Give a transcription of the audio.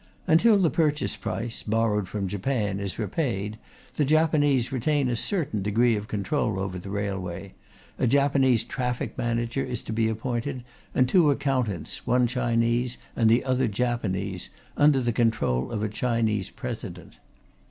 Until the purchase price, borrowed from Japan, is repaid, the Japanese retain a certain degree of control over the railway: a Japanese traffic manager is to be appointed, and two accountants, one Chinese and the other Japanese, under the control of a Chinese President.